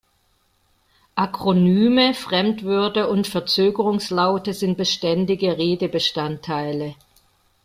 Akronyme, Fremdwörter und Verzögerungslaute sind beständige Redebestandteile.